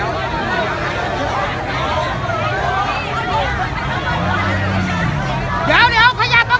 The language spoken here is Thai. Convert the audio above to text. ก็ไม่มีเวลาให้กลับมาเท่าไหร่